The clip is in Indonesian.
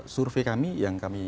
survei kami yang kami